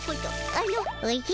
あの「おじゃ」